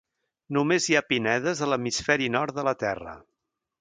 Només hi ha pinedes a l'hemisferi nord de la Terra.